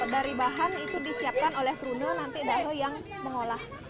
dari bahan itu disiapkan oleh bruno nanti dae yang mengolah